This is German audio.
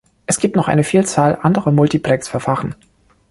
Es gibt noch eine Vielzahl anderer Multiplexverfahren.